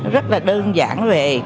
rất là đơn giản về